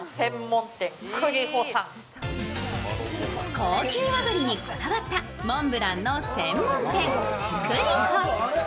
高級和栗にこだわったモンブランの専門店、栗歩。